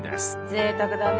ぜいたくだね。